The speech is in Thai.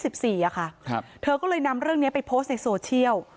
ครับเธอก็เลยนำเรื่องนี้ไปโพสต์ในโซเชียล